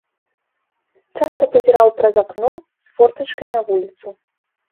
Часта пазіраў праз акно з фортачкай на вуліцу.